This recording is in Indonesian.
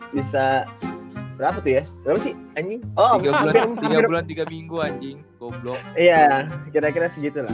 bisa berapa tuh ya berapa sih anjing tiga bulan tiga bulan tiga minggu anjing goblo iya kira kira segitu lah